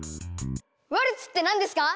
ワルツって何ですか？